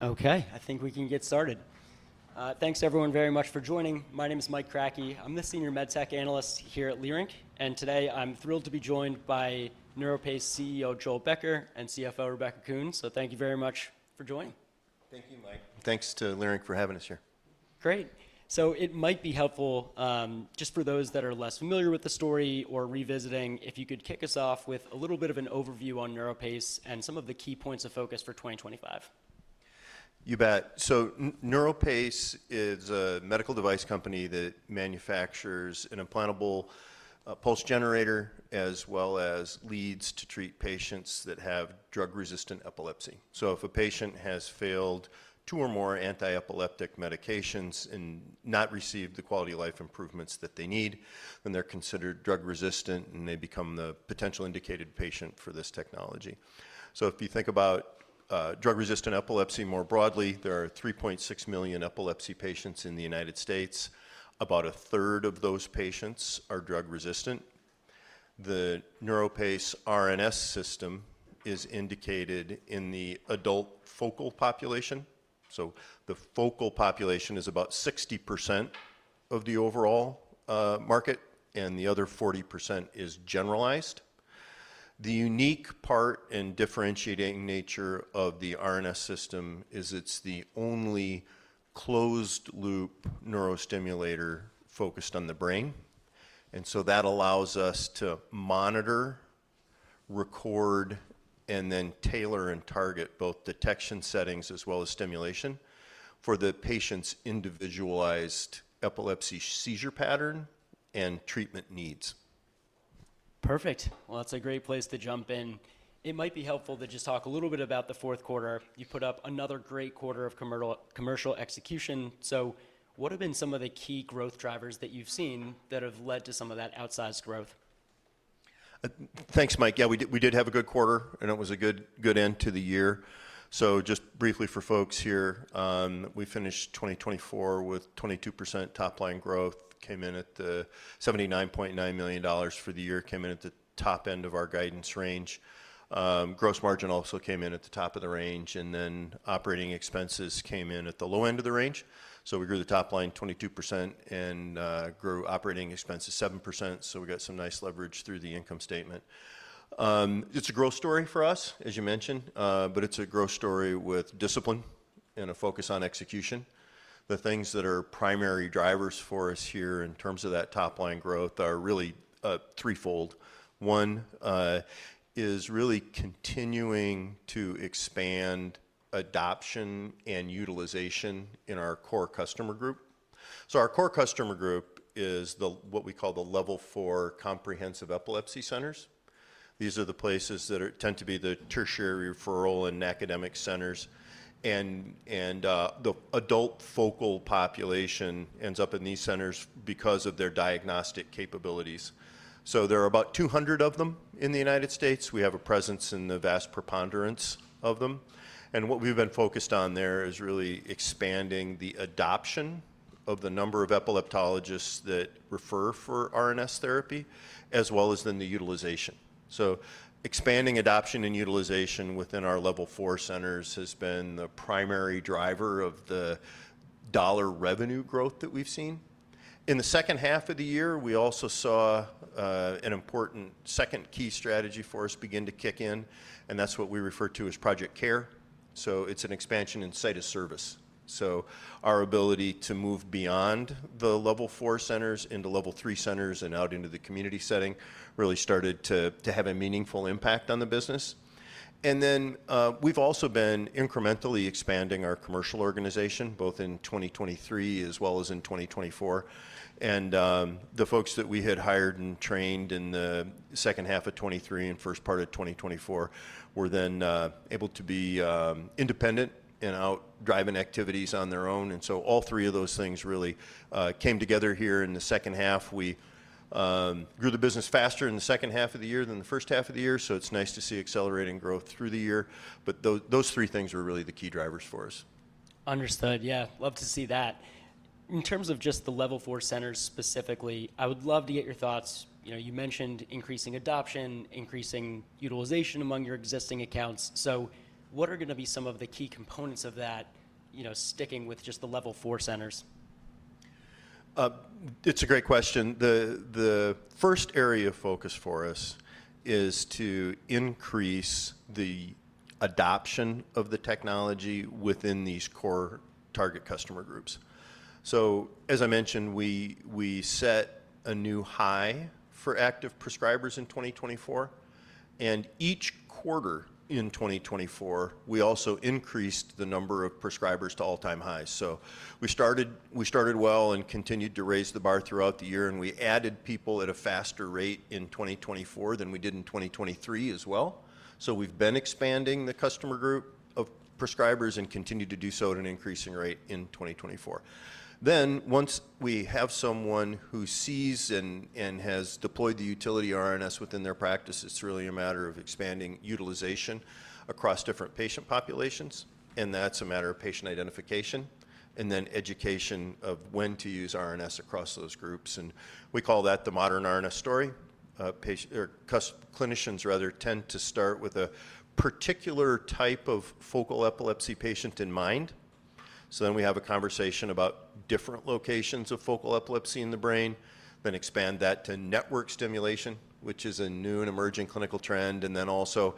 Okay, I think we can get started. Thanks, everyone, very much for joining. My name is Mike Kratky. I'm the Senior MedTech Analyst here at Leerink, and today I'm thrilled to be joined by NeuroPace CEO Joel Becker and CFO Rebecca Kuhn. Thank you very much for joining. Thank you, Mike. Thanks to Leerink for having us here. Great. It might be helpful, just for those that are less familiar with the story or revisiting, if you could kick us off with a little bit of an overview on NeuroPace and some of the key points of focus for 2025. You bet. NeuroPace is a medical device company that manufactures an implantable pulse generator as well as leads to treat patients that have drug-resistant epilepsy. If a patient has failed two or more anti-epileptic medications and not received the quality of life improvements that they need, then they're considered drug-resistant, and they become the potential indicated patient for this technology. If you think about drug-resistant epilepsy more broadly, there are 3.6 million epilepsy patients in the United States. About a third of those patients are drug-resistant. The NeuroPace RNS System is indicated in the adult focal population. The focal population is about 60% of the overall market, and the other 40% is generalized. The unique part and differentiating nature of the RNS System is it's the only closed-loop neurostimulator focused on the brain. That allows us to monitor, record, and then tailor and target both detection settings as well as stimulation for the patient's individualized epilepsy seizure pattern and treatment needs. Perfect. That is a great place to jump in. It might be helpful to just talk a little bit about the fourth quarter. You put up another great quarter of commercial execution. What have been some of the key growth drivers that you have seen that have led to some of that outsized growth? Thanks, Mike. Yeah, we did have a good quarter, and it was a good end to the year. Just briefly for folks here, we finished 2024 with 22% top-line growth, came in at $79.9 million for the year, came in at the top end of our guidance range. Gross margin also came in at the top of the range, and then operating expenses came in at the low end of the range. We grew the top line 22% and grew operating expenses 7%. We got some nice leverage through the income statement. It is a growth story for us, as you mentioned, but it is a growth story with discipline and a focus on execution. The things that are primary drivers for us here in terms of that top-line growth are really threefold. One is really continuing to expand adoption and utilization in our core customer group. Our core customer group is what we call the Level 4 comprehensive epilepsy centers. These are the places that tend to be the tertiary referral and academic centers, and the adult focal population ends up in these centers because of their diagnostic capabilities. There are about 200 of them in the United States. We have a presence in the vast preponderance of them. What we've been focused on there is really expanding the adoption of the number of epileptologists that refer for RNS therapy, as well as then the utilization. Expanding adoption and utilization within our Level 4 centers has been the primary driver of the dollar revenue growth that we've seen. In the second half of the year, we also saw an important second key strategy for us begin to kick in, and that's what we refer to as Project CARE. It is an expansion in site of service. Our ability to move beyond the Level 4 centers into Level 3 centers and out into the community setting really started to have a meaningful impact on the business. We have also been incrementally expanding our commercial organization, both in 2023 as well as in 2024. The folks that we had hired and trained in the second half of 2023 and first part of 2024 were then able to be independent and out driving activities on their own. All three of those things really came together here in the second half. We grew the business faster in the second half of the year than the first half of the year. It is nice to see accelerating growth through the year. Those three things are really the key drivers for us. Understood. Yeah, love to see that. In terms of just the Level 4 centers specifically, I would love to get your thoughts. You mentioned increasing adoption, increasing utilization among your existing accounts. What are going to be some of the key components of that, sticking with just the Level 4 centers? It's a great question. The first area of focus for us is to increase the adoption of the technology within these core target customer groups. As I mentioned, we set a new high for active prescribers in 2024. Each quarter in 2024, we also increased the number of prescribers to all-time highs. We started well and continued to raise the bar throughout the year, and we added people at a faster rate in 2024 than we did in 2023 as well. We have been expanding the customer group of prescribers and continue to do so at an increasing rate in 2024. Once we have someone who sees and has deployed the utility RNS within their practice, it's really a matter of expanding utilization across different patient populations. That's a matter of patient identification and then education of when to use RNS across those groups. We call that the modern RNS story. Clinicians, rather, tend to start with a particular type of focal epilepsy patient in mind. We have a conversation about different locations of focal epilepsy in the brain, then expand that to network stimulation, which is a new and emerging clinical trend, and then also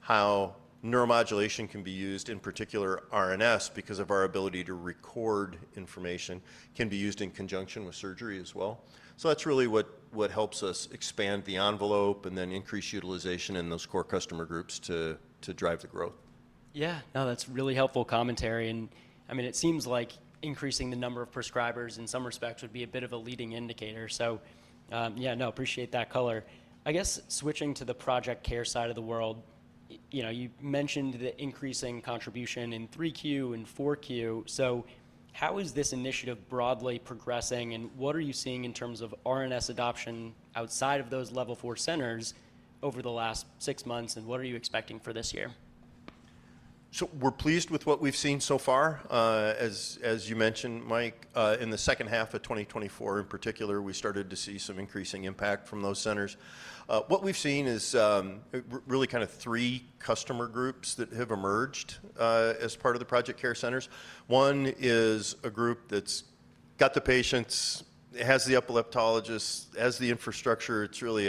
how neuromodulation can be used, in particular RNS, because of our ability to record information, can be used in conjunction with surgery as well. That is really what helps us expand the envelope and then increase utilization in those core customer groups to drive the growth. Yeah, no, that's really helpful commentary. I mean, it seems like increasing the number of prescribers in some respects would be a bit of a leading indicator. Yeah, no, appreciate that color. I guess switching to the Project CARE side of the world, you mentioned the increasing contribution in 3Q and 4Q. How is this initiative broadly progressing, and what are you seeing in terms of RNS adoption outside of those Level 4 centers over the last six months, and what are you expecting for this year? We are pleased with what we have seen so far. As you mentioned, Mike, in the second half of 2024, in particular, we started to see some increasing impact from those centers. What we have seen is really kind of three customer groups that have emerged as part of the Project CARE centers. One is a group that has the patients, has the epileptologists, has the infrastructure. It is really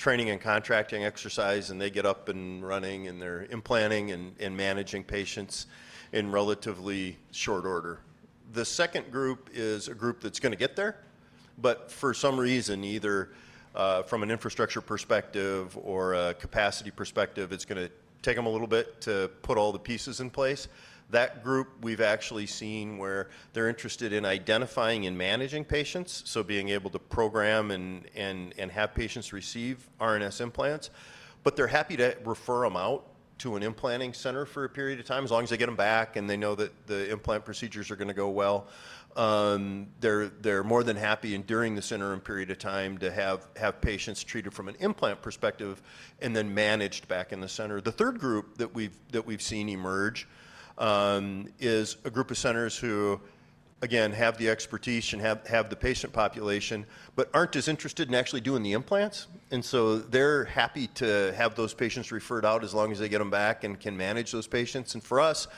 a training and contracting exercise, and they get up and running, and they are implanting and managing patients in relatively short order. The second group is a group that is going to get there, but for some reason, either from an infrastructure perspective or a capacity perspective, it is going to take them a little bit to put all the pieces in place. That group we've actually seen where they're interested in identifying and managing patients, so being able to program and have patients receive RNS implants, but they're happy to refer them out to an implanting center for a period of time, as long as they get them back and they know that the implant procedures are going to go well. They're more than happy during the interim period of time to have patients treated from an implant perspective and then managed back in the center. The third group that we've seen emerge is a group of centers who, again, have the expertise and have the patient population, but aren't as interested in actually doing the implants. They're happy to have those patients referred out as long as they get them back and can manage those patients. For us,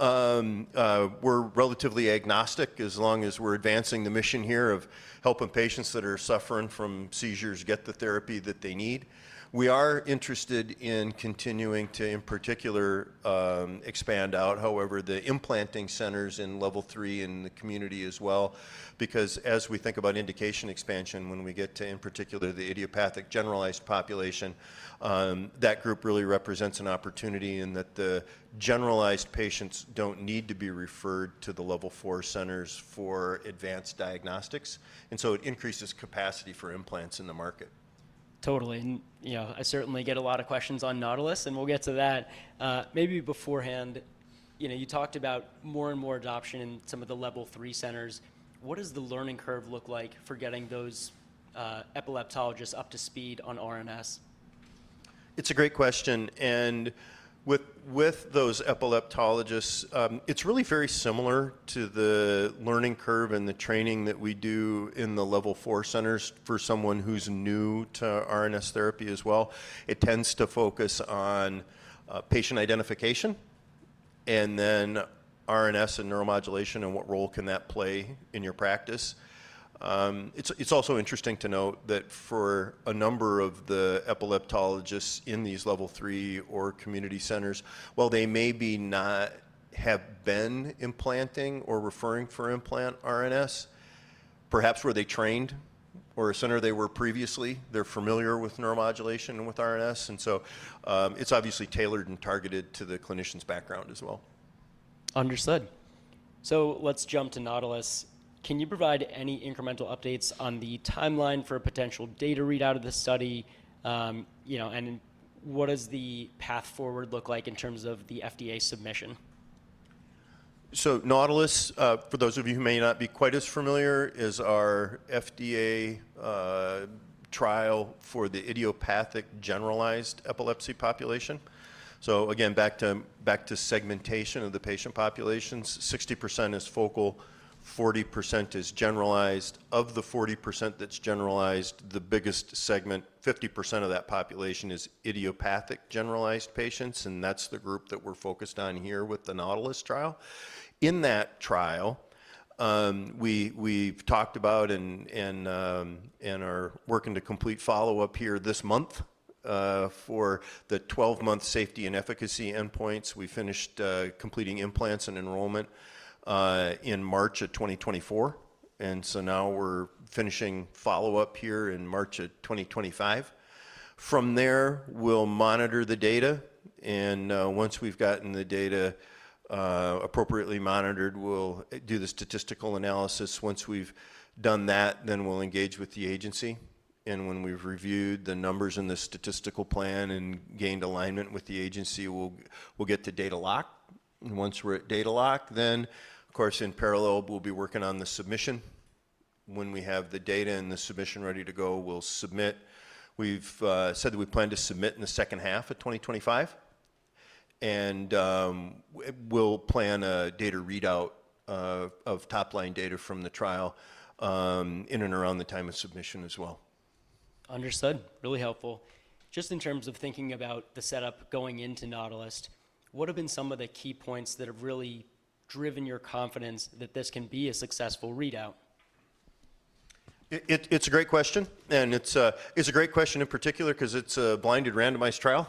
we're relatively agnostic as long as we're advancing the mission here of helping patients that are suffering from seizures get the therapy that they need. We are interested in continuing to, in particular, expand out, however, the implanting centers in Level 3 in the community as well, because as we think about indication expansion, when we get to, in particular, the idiopathic generalized population, that group really represents an opportunity in that the generalized patients don't need to be referred to the Level 4 centers for advanced diagnostics. It increases capacity for implants in the market. Totally. I certainly get a lot of questions on NAUTILUS, and we'll get to that. Maybe beforehand, you talked about more and more adoption in some of the Level 3 centers. What does the learning curve look like for getting those epileptologists up to speed on RNS? It's a great question. With those epileptologists, it's really very similar to the learning curve and the training that we do in the Level 4 centers for someone who's new to RNS therapy as well. It tends to focus on patient identification and then RNS and neuromodulation and what role can that play in your practice. It's also interesting to note that for a number of the epileptologists in these Level 3 or community centers, while they may not have been implanting or referring for implant RNS, perhaps where they trained or a center they were previously, they're familiar with neuromodulation and with RNS. It's obviously tailored and targeted to the clinician's background as well. Understood. Let's jump to NAUTILUS. Can you provide any incremental updates on the timeline for a potential data readout of this study? What does the path forward look like in terms of the FDA submission? NAUTILUS, for those of you who may not be quite as familiar, is our FDA trial for the idiopathic generalized epilepsy population. Again, back to segmentation of the patient populations, 60% is focal, 40% is generalized. Of the 40% that's generalized, the biggest segment, 50% of that population is idiopathic generalized patients, and that's the group that we're focused on here with the NAUTILUS trial. In that trial, we've talked about and are working to complete follow-up here this month for the 12-month safety and efficacy endpoints. We finished completing implants and enrollment in March of 2024. Now we're finishing follow-up here in March of 2025. From there, we'll monitor the data. Once we've gotten the data appropriately monitored, we'll do the statistical analysis. Once we've done that, then we'll engage with the agency. When we've reviewed the numbers in the statistical plan and gained alignment with the agency, we'll get the data lock. Once we're at data lock, of course, in parallel, we'll be working on the submission. When we have the data and the submission ready to go, we'll submit. We've said that we plan to submit in the second half of 2025. We'll plan a data readout of top-line data from the trial in and around the time of submission as well. Understood. Really helpful. Just in terms of thinking about the setup going into NAUTILUS, what have been some of the key points that have really driven your confidence that this can be a successful readout? It's a great question. It's a great question in particular because it's a blinded randomized trial.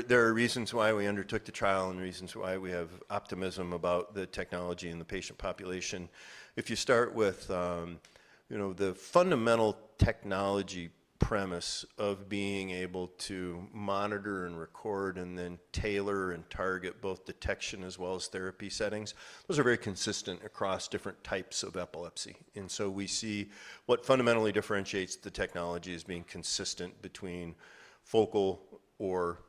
There are reasons why we undertook the trial and reasons why we have optimism about the technology and the patient population. If you start with the fundamental technology premise of being able to monitor and record and then tailor and target both detection as well as therapy settings, those are very consistent across different types of epilepsy. We see what fundamentally differentiates the technology as being consistent between focal or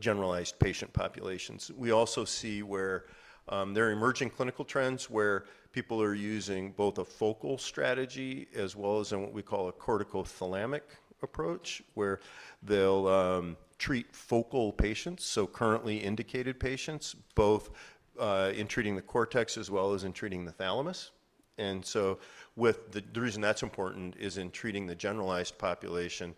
generalized patient populations. We also see where there are emerging clinical trends where people are using both a focal strategy as well as what we call a corticothalamic approach, where they'll treat focal patients, so currently indicated patients, both in treating the cortex as well as in treating the thalamus. The reason that's important is in treating the generalized population,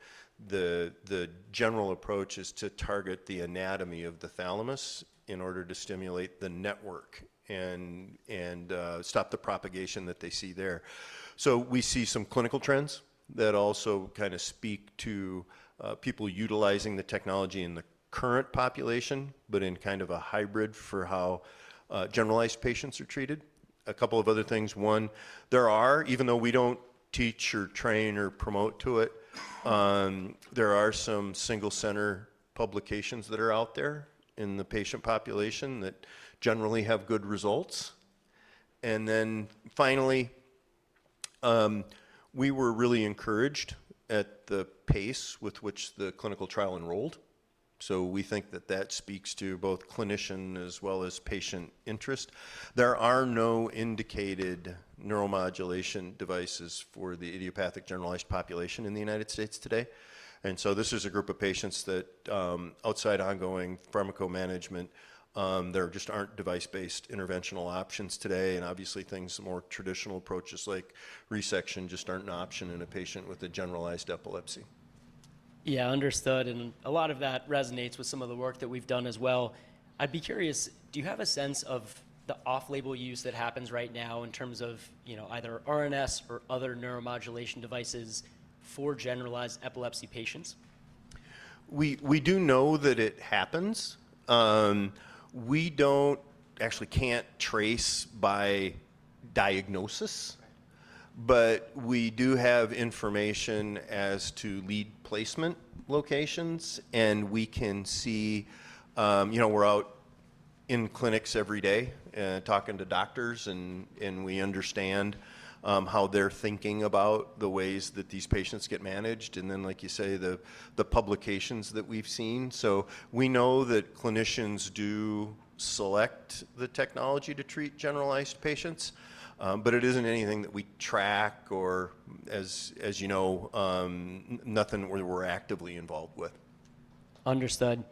the general approach is to target the anatomy of the thalamus in order to stimulate the network and stop the propagation that they see there. We see some clinical trends that also kind of speak to people utilizing the technology in the current population, but in kind of a hybrid for how generalized patients are treated. A couple of other things. One, there are, even though we do not teach or train or promote to it, some single-center publications that are out there in the patient population that generally have good results. Finally, we were really encouraged at the pace with which the clinical trial enrolled. We think that speaks to both clinician as well as patient interest. There are no indicated neuromodulation devices for the idiopathic generalized population in the United States today. This is a group of patients that, outside ongoing pharmacomanagement, there just aren't device-based interventional options today. Obviously, things more traditional approaches like resection just aren't an option in a patient with a generalized epilepsy. Yeah, understood. A lot of that resonates with some of the work that we've done as well. I'd be curious, do you have a sense of the off-label use that happens right now in terms of either RNS or other neuromodulation devices for generalized epilepsy patients? We do know that it happens. We don't actually trace by diagnosis, but we do have information as to lead placement locations. We can see we're out in clinics every day talking to doctors, and we understand how they're thinking about the ways that these patients get managed. Like you say, the publications that we've seen. We know that clinicians do select the technology to treat generalized patients, but it isn't anything that we track or, as you know, nothing we're actively involved with. Understood.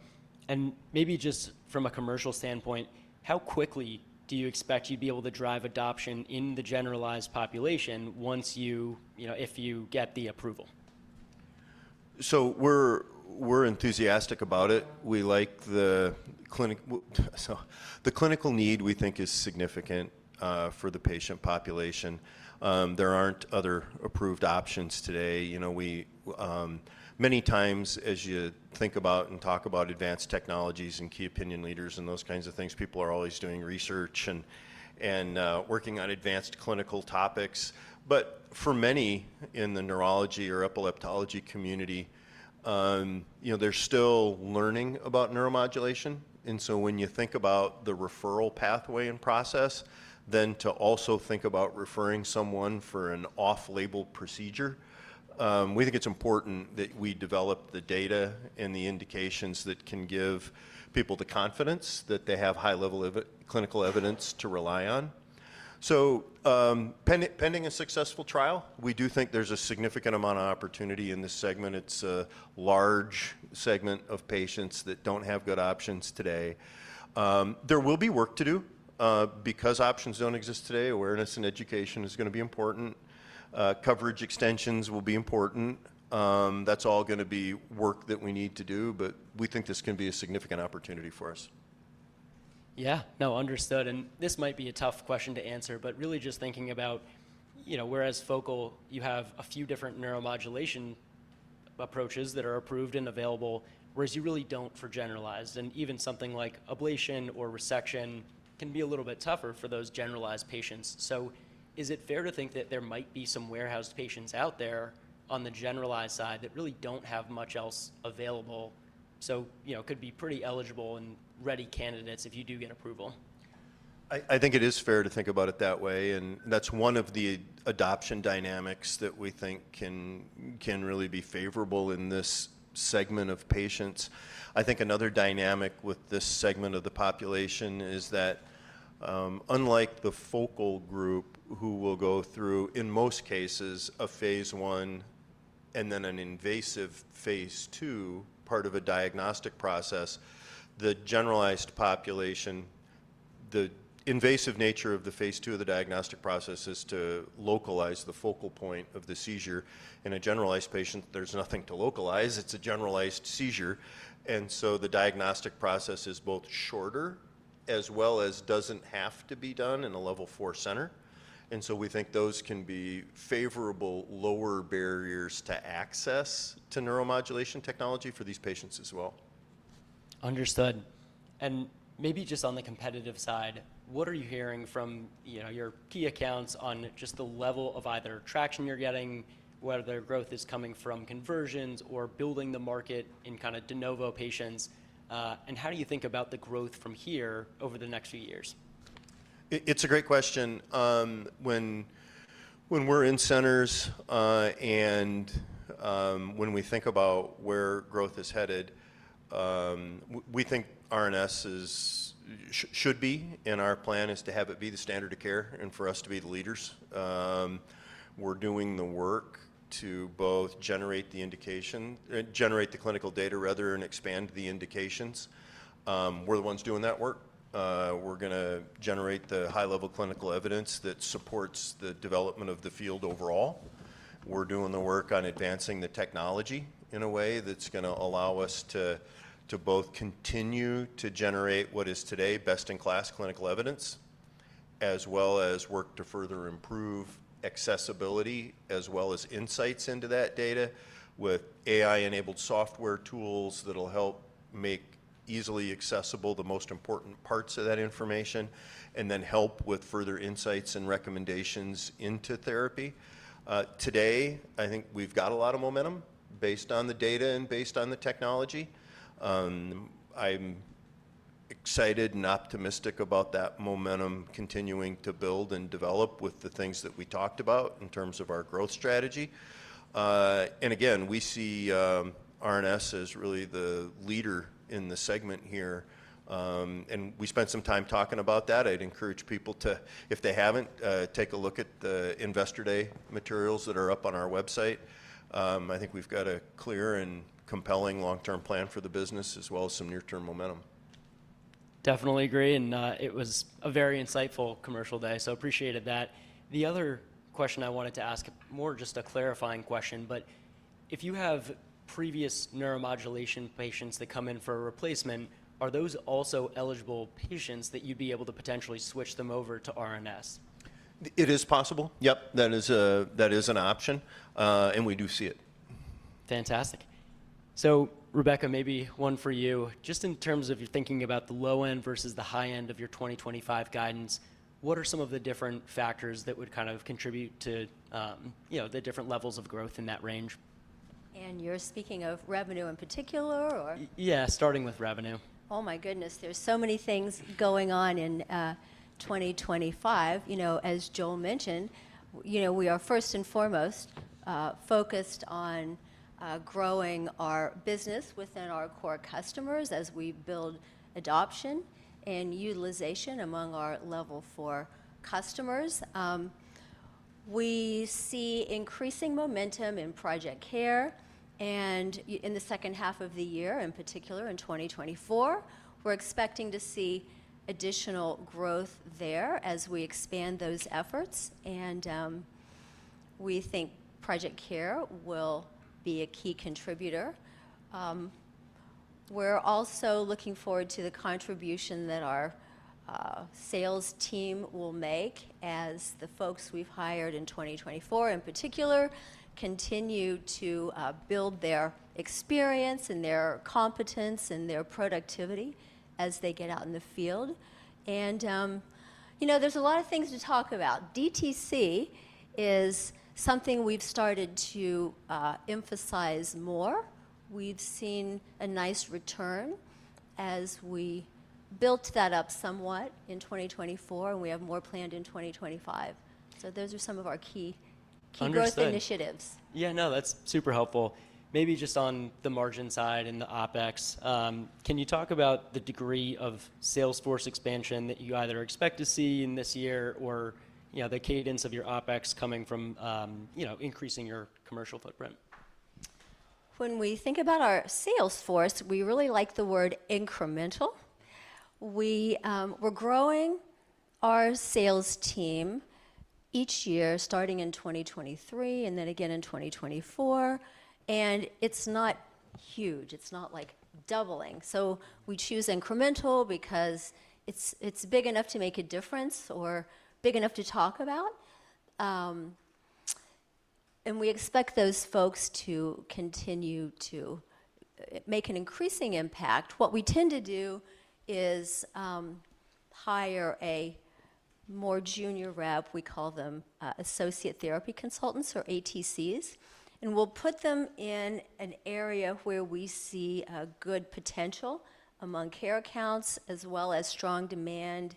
Maybe just from a commercial standpoint, how quickly do you expect you'd be able to drive adoption in the generalized population if you get the approval? We're enthusiastic about it. We like the clinical need, we think, is significant for the patient population. There aren't other approved options today. Many times, as you think about and talk about advanced technologies and key opinion leaders and those kinds of things, people are always doing research and working on advanced clinical topics. For many in the neurology or epileptology community, they're still learning about neuromodulation. When you think about the referral pathway and process, then to also think about referring someone for an off-label procedure, we think it's important that we develop the data and the indications that can give people the confidence that they have high-level clinical evidence to rely on. Pending a successful trial, we do think there's a significant amount of opportunity in this segment. It's a large segment of patients that don't have good options today. There will be work to do because options don't exist today. Awareness and education is going to be important. Coverage extensions will be important. That's all going to be work that we need to do, but we think this can be a significant opportunity for us. Yeah. No, understood. This might be a tough question to answer, but really just thinking about whereas focal, you have a few different neuromodulation approaches that are approved and available, whereas you really do not for generalized. Even something like ablation or resection can be a little bit tougher for those generalized patients. Is it fair to think that there might be some warehouse patients out there on the generalized side that really do not have much else available? It could be pretty eligible and ready candidates if you do get approval. I think it is fair to think about it that way. That is one of the adoption dynamics that we think can really be favorable in this segment of patients. I think another dynamic with this segment of the population is that, unlike the focal group who will go through, in most cases, a phase one and then an invasive phase two part of a diagnostic process, the generalized population, the invasive nature of the phase two of the diagnostic process is to localize the focal point of the seizure. In a generalized patient, there is nothing to localize. It is a generalized seizure. The diagnostic process is both shorter as well as does not have to be done in a Level 4 center. We think those can be favorable lower barriers to access to neuromodulation technology for these patients as well. Understood. Maybe just on the competitive side, what are you hearing from your key accounts on just the level of either traction you're getting, whether their growth is coming from conversions or building the market in kind of de novo patients? How do you think about the growth from here over the next few years? It's a great question. When we're in centers and when we think about where growth is headed, we think RNS should be, and our plan is to have it be the standard of care and for us to be the leaders. We're doing the work to both generate the indication, generate the clinical data, rather, and expand the indications. We're the ones doing that work. We're going to generate the high-level clinical evidence that supports the development of the field overall. We're doing the work on advancing the technology in a way that's going to allow us to both continue to generate what is today best-in-class clinical evidence, as well as work to further improve accessibility, as well as insights into that data with AI-enabled software tools that'll help make easily accessible the most important parts of that information, and then help with further insights and recommendations into therapy. Today, I think we've got a lot of momentum based on the data and based on the technology. I'm excited and optimistic about that momentum continuing to build and develop with the things that we talked about in terms of our growth strategy. We see RNS as really the leader in the segment here. We spent some time talking about that. I'd encourage people to, if they haven't, take a look at the Investor Day materials that are up on our website. I think we've got a clear and compelling long-term plan for the business, as well as some near-term momentum. Definitely agree. It was a very insightful commercial day, so appreciated that. The other question I wanted to ask, more just a clarifying question, but if you have previous neuromodulation patients that come in for a replacement, are those also eligible patients that you'd be able to potentially switch them over to RNS? It is possible. Yep, that is an option. We do see it. Fantastic. Rebecca, maybe one for you. Just in terms of you're thinking about the low-end versus the high-end of your 2025 guidance, what are some of the different factors that would kind of contribute to the different levels of growth in that range? Are you speaking of revenue in particular, or? Yeah, starting with revenue. Oh my goodness, there's so many things going on in 2025. As Joel mentioned, we are first and foremost focused on growing our business within our core customers as we build adoption and utilization among our Level 4 customers. We see increasing momentum in Project CARE. In the second half of the year, in particular, in 2024, we're expecting to see additional growth there as we expand those efforts. We think Project CARE will be a key contributor. We're also looking forward to the contribution that our sales team will make as the folks we've hired in 2024, in particular, continue to build their experience and their competence and their productivity as they get out in the field. There's a lot of things to talk about. DTC is something we've started to emphasize more. We've seen a nice return as we built that up somewhat in 2024, and we have more planned in 2025. Those are some of our key growth initiatives. Yeah, no, that's super helpful. Maybe just on the margin side and the OpEx, can you talk about the degree of sales force expansion that you either expect to see in this year or the cadence of your OpEx coming from increasing your commercial footprint? When we think about our sales force, we really like the word incremental. We're growing our sales team each year, starting in 2023 and then again in 2024. It's not huge. It's not like doubling. We choose incremental because it's big enough to make a difference or big enough to talk about. We expect those folks to continue to make an increasing impact. What we tend to do is hire a more junior rep. We call them Associate Therapy Consultants or ATCs. We'll put them in an area where we see good potential among care accounts, as well as strong demand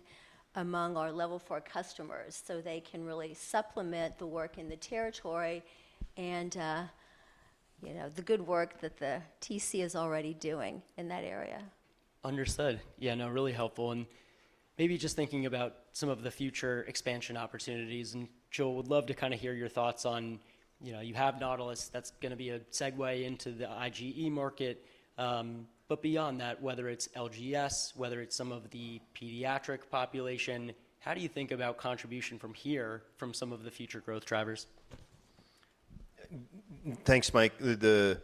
among our Level 4 customers, so they can really supplement the work in the territory and the good work that the TC is already doing in that area. Understood. Yeah, no, really helpful. Maybe just thinking about some of the future expansion opportunities. Joel, would love to kind of hear your thoughts on you have NAUTILUS. That's going to be a segue into the IGE market. Beyond that, whether it's LGS, whether it's some of the pediatric population, how do you think about contribution from here from some of the future growth drivers? Thanks, Mike. The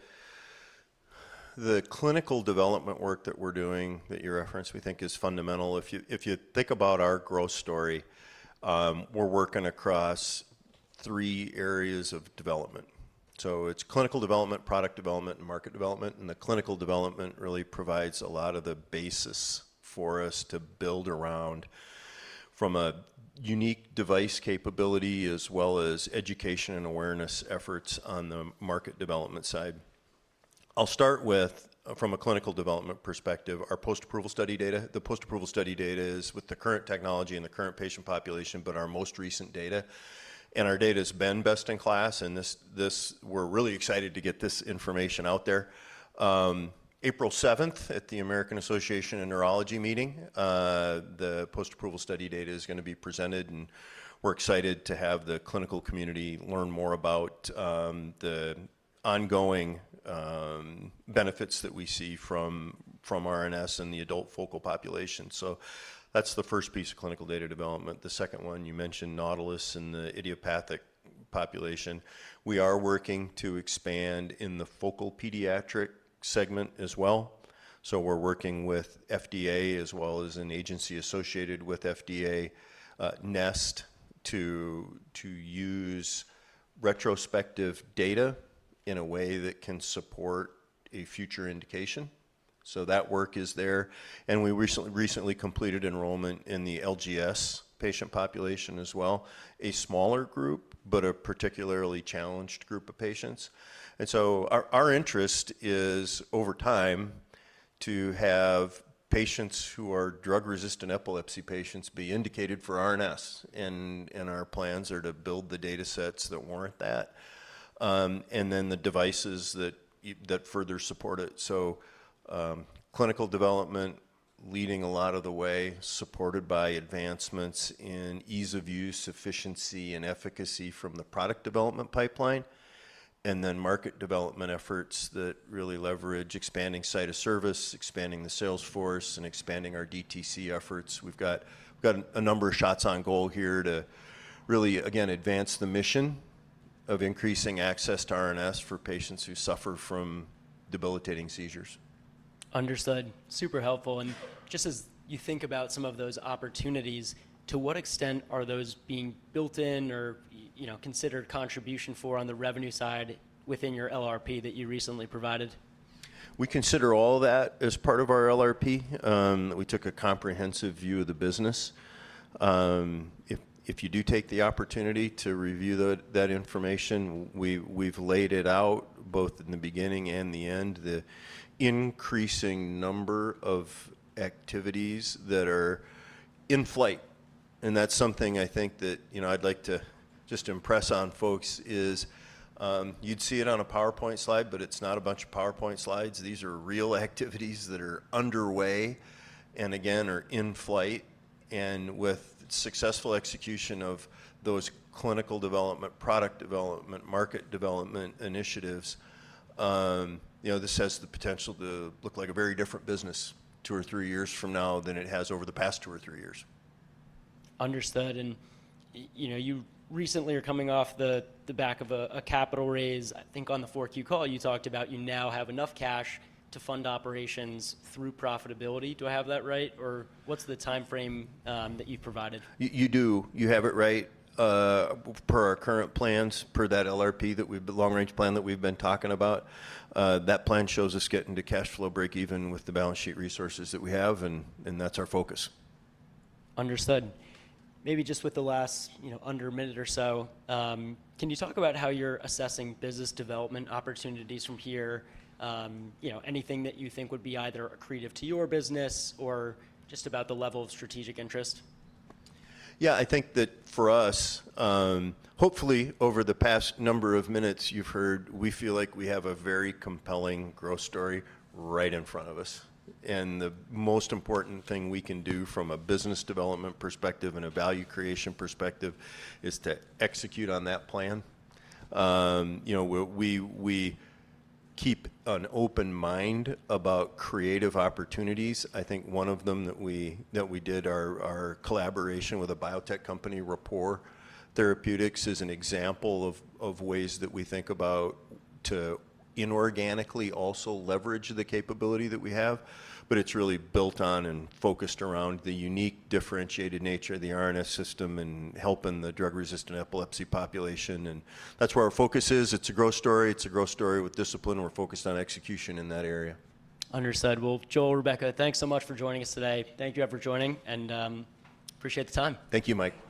clinical development work that we're doing that you referenced, we think, is fundamental. If you think about our growth story, we're working across three areas of development. It is clinical development, product development, and market development. The clinical development really provides a lot of the basis for us to build around from a unique device capability as well as education and awareness efforts on the market development side. I'll start with, from a clinical development perspective, our post-approval study data. The post-approval study data is with the current technology and the current patient population, but our most recent data. Our data has been best in class. We're really excited to get this information out there. April 7th at the American Association of Neurology meeting, the post-approval study data is going to be presented. We're excited to have the clinical community learn more about the ongoing benefits that we see from RNS and the adult focal population. That's the first piece of clinical data development. The second one, you mentioned NAUTILUS and the idiopathic population. We are working to expand in the focal pediatric segment as well. We're working with FDA, as well as an agency associated with FDA, NEST, to use retrospective data in a way that can support a future indication. That work is there. We recently completed enrollment in the LGS patient population as well, a smaller group, but a particularly challenged group of patients. Our interest is, over time, to have patients who are drug-resistant epilepsy patients be indicated for RNS. Our plans are to build the data sets that warrant that and then the devices that further support it. Clinical development leading a lot of the way, supported by advancements in ease of use, efficiency, and efficacy from the product development pipeline, and then market development efforts that really leverage expanding site of service, expanding the sales force, and expanding our DTC efforts. We've got a number of shots on goal here to really, again, advance the mission of increasing access to RNS for patients who suffer from debilitating seizures. Understood. Super helpful. Just as you think about some of those opportunities, to what extent are those being built in or considered contribution for on the revenue side within your LRP that you recently provided? We consider all of that as part of our LRP. We took a comprehensive view of the business. If you do take the opportunity to review that information, we've laid it out both in the beginning and the end, the increasing number of activities that are in flight. That's something I think that I'd like to just impress on folks is you'd see it on a PowerPoint slide, but it's not a bunch of PowerPoint slides. These are real activities that are underway and, again, are in flight. With successful execution of those clinical development, product development, market development initiatives, this has the potential to look like a very different business two or three years from now than it has over the past two or three years. Understood. You recently are coming off the back of a capital raise. I think on the 4Q call, you talked about you now have enough cash to fund operations through profitability. Do I have that right? Or what's the timeframe that you've provided? You do. You have it right. Per our current plans, per that LRP, that long-range plan that we've been talking about, that plan shows us getting to cash flow break even with the balance sheet resources that we have. That's our focus. Understood. Maybe just with the last under a minute or so, can you talk about how you're assessing business development opportunities from here? Anything that you think would be either accretive to your business or just about the level of strategic interest? Yeah, I think that for us, hopefully, over the past number of minutes you've heard, we feel like we have a very compelling growth story right in front of us. The most important thing we can do from a business development perspective and a value creation perspective is to execute on that plan. We keep an open mind about creative opportunities. I think one of them that we did, our collaboration with a biotech company, Rapport Therapeutics, is an example of ways that we think about to inorganically also leverage the capability that we have. It is really built on and focused around the unique differentiated nature of the RNS System and helping the drug-resistant epilepsy population. That is where our focus is. It's a growth story. It's a growth story with discipline. We're focused on execution in that area. Understood. Joel, Rebecca, thanks so much for joining us today. Thank you all for joining. I appreciate the time. Thank you, Mike.